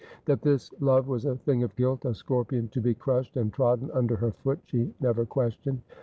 That this love was a thing of guilt, a scorpion to be crushed and trodden under her foot, she never questioned.